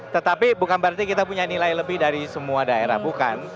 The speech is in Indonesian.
tetapi bukan berarti kita punya nilai lebih dari semua daerah bukan